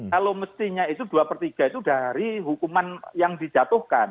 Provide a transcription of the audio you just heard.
kalau mestinya itu dua per tiga itu dari hukuman yang dijatuhkan